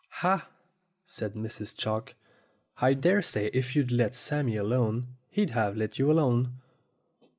"Ah!" said Mrs. Chalk. "I dare say if you'd let Sammy alone, he'd have let you alone."